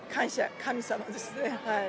神様ですね。